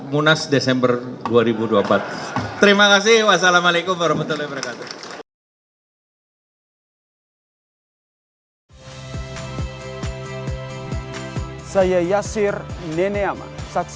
tapi bapak zira akan mencalonkan kembali sebagai ketum gak pak